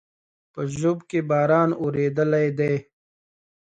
په ژوب کې باران اورېدلى دی